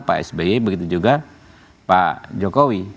pak sby begitu juga pak jokowi